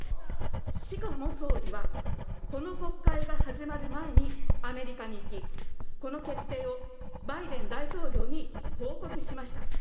しかも総理は、この国会が始まる前に、アメリカに行き、この決定をバイデン大統領に報告しました。